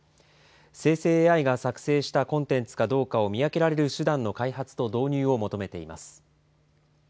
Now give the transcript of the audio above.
生成ＡＩが作成したコンテンツかどうかを見分けられる手段の開発と導入を求めています。